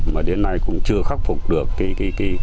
mà đến nay cũng chưa khắc phục được cái khu ngập úng của phía tổ dân phố